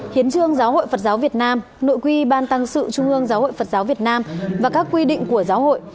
hiến trương giáo hội phật giáo việt nam nội quy ban tăng sự trung ương giáo hội phật giáo việt nam và các quy định của giáo hội